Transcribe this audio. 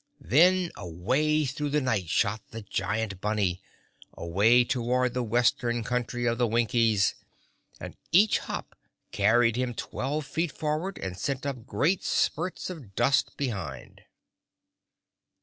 Then away through the night shot the giant bunny—away toward the western country of the Winkies—and each hop carried him twelve feet forward and sent up great spurts of dust behind.